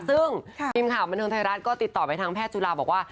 ซึ่งกลิมข่าวบรรทัยรัฐก็ติดต่อไปทั้งแพทย์จุฬาวบอกว่า